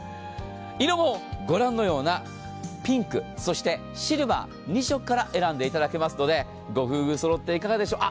色もご覧のようなピンク、そしてシルバー、２色から選んでいただけますのでご夫婦そろっていかがでしょう。